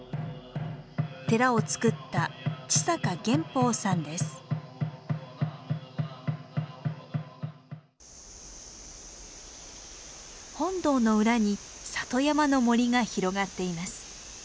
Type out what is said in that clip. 寺を作った本堂の裏に里山の森が広がっています。